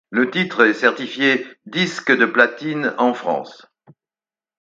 Le titre est certifié disque de platine en France.